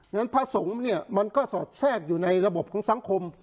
นั้นพระสงฆ์เนี่ยมันก็สอดแทรกอยู่ในระบบของสังคม